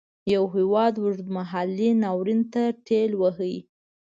یو هیواد اوږد مهالي ناورین ته ټېل وهي.